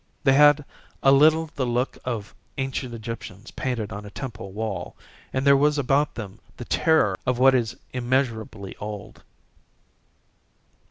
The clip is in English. They had a little the look of ancient Egyptians painted on a temple wall, and there was about them the terror of what is immeasurably old.